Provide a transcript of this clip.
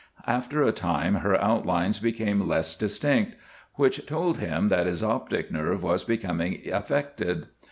After a time her outlines became less distinct, which told him that his optic nerve was becoming affected.